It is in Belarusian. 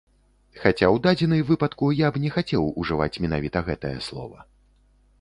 Хаця ў дадзены выпадку я б не хацеў ужываць менавіта гэтае слова.